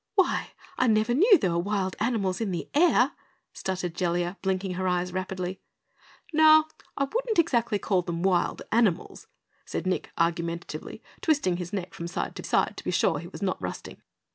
"Why, I never knew there were wild animals in the air," stuttered Jellia, blinking her eyes rapidly. "Now, I wouldn't exactly call them wild animals," said Nick argumentatively, twisting his neck from side to side to be sure he was not rusting.